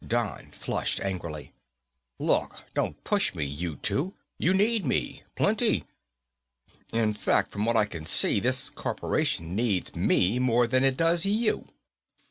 Don flushed angrily, "Look, don't push me, you two. You need me. Plenty. In fact, from what I can see, this corporation needs me more than it does you."